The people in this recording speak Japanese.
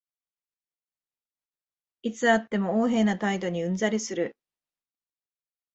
いつ会っても横柄な態度にうんざりする